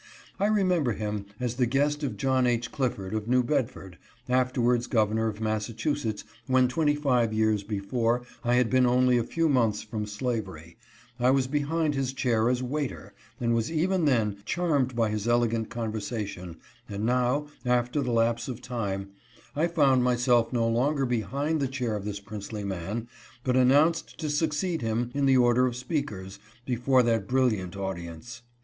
I remember him as the guest of John H. Clifford of New Bedford, afterwards Governor of Massachusetts, when twenty five years before, I had been only a few months from slavery — I was behind his chair as waiter, and was * See Note on page 452. THE ASSASSINATION OP LINCOLN. 449 even then charmed by his elegant conversation — and now, after this lapse of time, I found myself no longer behind the chair of this princely man, but announced to succeed him in the order of speakers, before that brilliant audi ence.